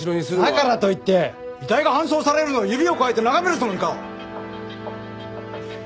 だからといって遺体が搬送されるのを指をくわえて眺めるつもりか！？